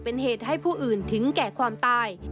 เป็นเหตุให้ผู้อื่นถึงแก่ความตาย